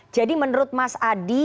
jadi menurut mas adi